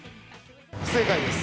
不正解です。